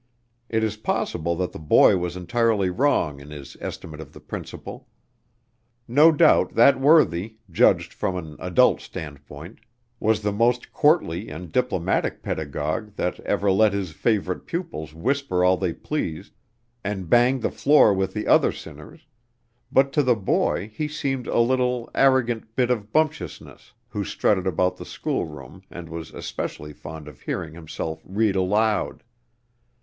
It is possible that the boy was entirely wrong in his estimate of the principal. No doubt that worthy, judged from an adult standpoint, was the most courtly and diplomatic pedagogue that ever let his favorite pupils whisper all they pleased, and banged the floor with the other sinners; but, to the boy, he seemed a little, arrogant bit of bumptiousness, who strutted about the schoolroom and was especially fond of hearing himself read aloud.